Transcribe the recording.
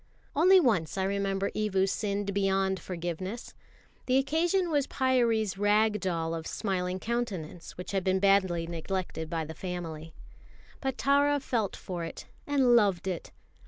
Only once I remember Evu sinned beyond forgiveness. The occasion was Pyârie's rag doll of smiling countenance, which had been badly neglected by the family. But Tara felt for it and loved it.